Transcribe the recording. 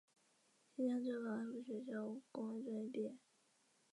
明朝洪武十三年改为屯田清吏司。